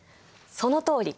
そのとおり。